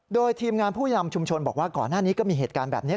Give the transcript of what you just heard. โดยทีมงานผู้นำชุมชนบอกว่าก่อนหน้านี้ก็มีเหตุการณ์แบบนี้